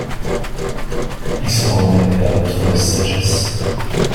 Il s’en remet à votre sagesse.